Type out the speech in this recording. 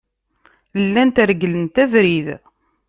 Llant reglent abrid.